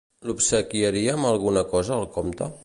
L'obsequiaria amb alguna cosa el comte?